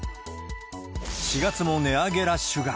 ４月も値上げラッシュが。